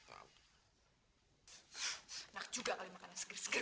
enak juga kali makanan seger seger